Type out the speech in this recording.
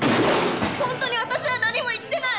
本当に私は何も言ってない！